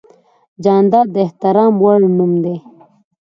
جانداد د احترام وړ نوم دی.